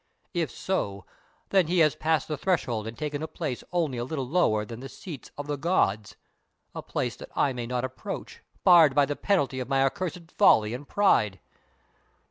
If so, then he has passed the threshold and taken a place only a little lower than the seats of the gods, a place that I may not approach, barred by the penalty of my accursed folly and pride!